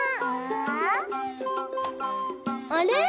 あれ？